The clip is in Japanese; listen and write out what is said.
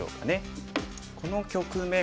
この局面